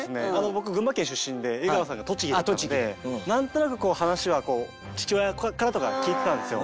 僕群馬県出身で江川さんが栃木だったのでなんとなく話はこう父親からとか聞いてたんですよ。